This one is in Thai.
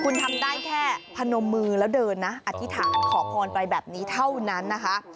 คุณทำได้แค่พนมมือแล้วเดินนะอธิษฐานขอพรไปแบบนี้เท่านั้นนะคะ